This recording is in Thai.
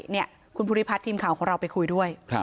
นี้คุณผู้หญิงทรมานเราก็ไปช่วยด้วย